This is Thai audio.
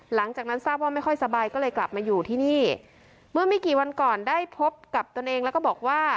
หลังจากทราบว่าไม่ค่อยสบายก็เลยกลับมาอยู่ที่นี่เมื่อไม่กี่วันก่อนได้พบกับตัวเองแล้วก็บอกว่า